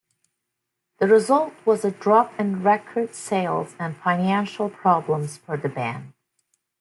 The result was a drop in record sales and financial problems for the band.